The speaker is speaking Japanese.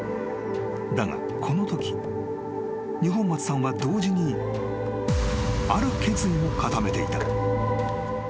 ［だがこのとき二本松さんは同時にある決意も固めていた］